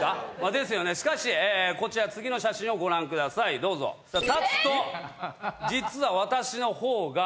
ですよねしかしこちら次の写真をご覧くださいどうぞえっ・えっ？